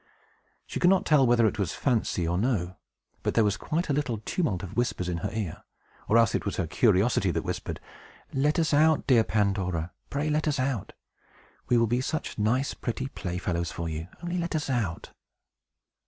She could not tell whether it was fancy or no; but there was quite a little tumult of whispers in her ear, or else it was her curiosity that whispered, "Let us out, dear Pandora, pray let us out! We will be such nice pretty playfellows for you! Only let us out!"